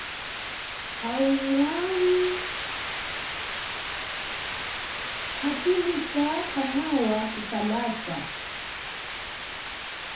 Au mwa kanthumika kanawa kukalasa.